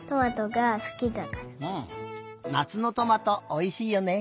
なつのトマトおいしいよね。